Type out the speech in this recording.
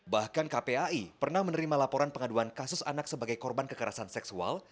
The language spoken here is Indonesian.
bahkan kpai pernah menerima laporan pengaduan kasus anak sebagai korban kekerasan seksual